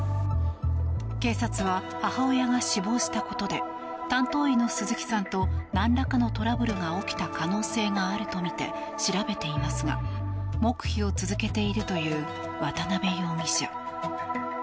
警察は母親が死亡したことで担当医の鈴木さんとなんらかのトラブルが起きた可能性があるとみて調べていますが黙秘を続けているという渡邊容疑者。